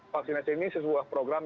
vaksinasi ini sebuah program